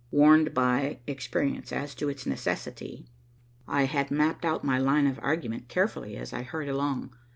Warned by experience as to its necessity, I had mapped out my line of argument carefully, as I hurried along.